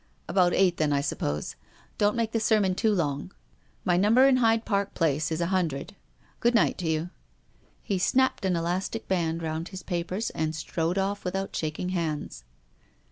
" About eight then, I suppose. Don't make the sermon too long. My number in Hyde Park Place is a hundred. Good night to you." He snapped an elastic band round his papers and strode off without shaking hands.